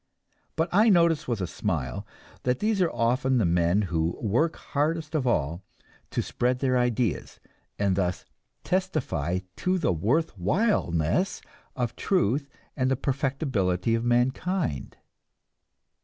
But I notice with a smile that these are often the men who work hardest of all to spread their ideas, and thus testify to the worthwhileness of truth and the perfectibility of mankind.